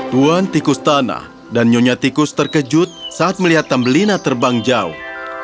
tuan tikus tanah dan nyonya tikus terkejut saat melihat tambelina terbang jauh